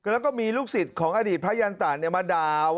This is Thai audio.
แล้วก็มีลูกศิษย์ของอดีตพระยันตะมาด่าว่า